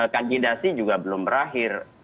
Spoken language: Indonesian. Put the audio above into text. kanjidasi juga belum berakhir